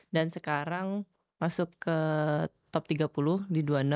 dan sekarang masuk ke top tiga puluh di dua puluh enam